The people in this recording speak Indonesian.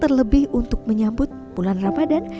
terlebih untuk menyambut bulan ramadan